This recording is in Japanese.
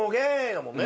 だもんね。